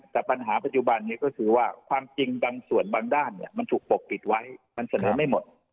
แต่ปัญหาปัจจุบันนี้ก็คือว่าความจริงบางส่วนบางด้านมันถูกปกปิดไว้มันเสนอไม่หมด